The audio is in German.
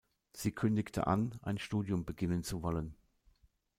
Sie kündigte an, ein Studium beginnen zu wollen.